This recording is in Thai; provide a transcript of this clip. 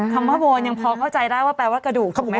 คำว่าโวนยังพอเข้าใจได้ว่าแปลว่ากระดูกถูกไหมค